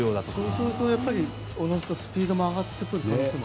そうするとスピードも上がってくる可能性も？